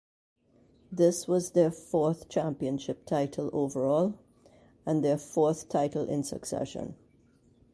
This was their fourth championship title overall and their fourth title in succession.